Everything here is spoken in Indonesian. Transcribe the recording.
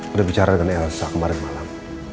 udah bicara dengan elsa kemarin malam